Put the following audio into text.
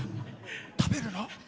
食べるの？